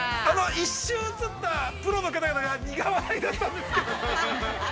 ◆一瞬映ったプロの方々が苦笑いだったんですけど。